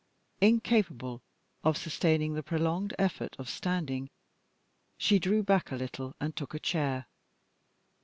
Incapable of sustaining the prolonged effort of standing, she drew back a little and took a chair.